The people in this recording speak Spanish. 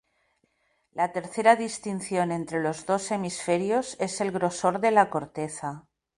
La tercera distinción entre los dos hemisferios es el grosor de la corteza.